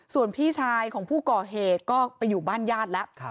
ส่วนพี่ชายของผู้ก่อเหตุก็ไปอยู่บ้านญาติแล้ว